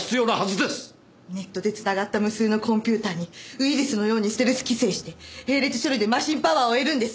ネットで繋がった無数のコンピューターにウイルスのようにステルス寄生して並列処理でマシンパワーを得るんです。